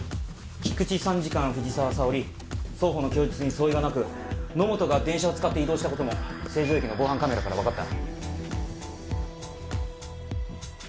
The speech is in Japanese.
菊池参事官藤沢さおり双方の供述に相違はなく野本が電車を使って移動した事も成城駅の防犯カメラからわかった。